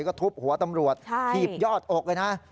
ก็ทุบหัวตำรวจถีบยอดอกเลยนะ